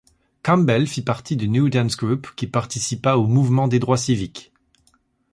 Campbell fit partie du New Dance Group, qui participa au mouvement des droits civiques.